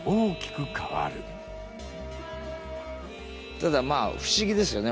ただまあ不思議ですよね。